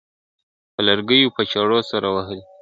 په لرگیو په چړو سره وهلي ..